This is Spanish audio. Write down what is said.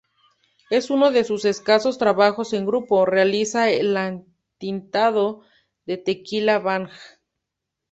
En uno de sus escasos trabajos en grupo, realiza el entintado de "Tequila Bang!